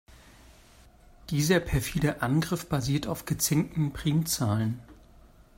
Dieser perfide Angriff basiert auf gezinkten Primzahlen.